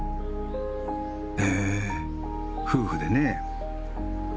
へえ夫婦でね。